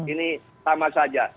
ini sama saja